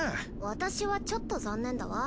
私はちょっと残念だわ。